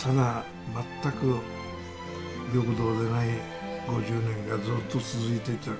ただ、全く平等でない５０年がずっと続いていた。